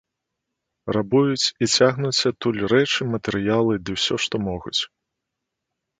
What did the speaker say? Рабуюць і цягнуць адтуль рэчы, матэрыялы, ды ўсё, што могуць.